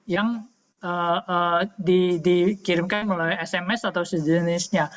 yang dikirimkan melalui sms atau sejenisnya